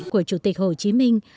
của chủ tịch hồ chí minh